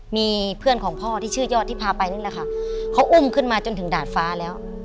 มีเพื่อนของพ่อที่ชื่อยอดที่พาไปนั่นแหละค่ะเขาอุ้มขึ้นมาจนถึงดาดฟ้าแล้ว